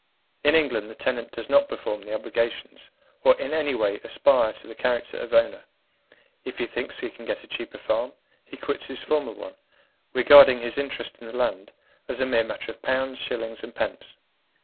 In England the tenant does not perform the obligations or in any way aspire to the character of owner. If he thinks he can get a cheaper farm, he quits his former one, regarding his interest in the land as a mere matter of pounds, shillings, and pence.